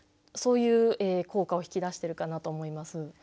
そういう効果を引き出してるかなと思います。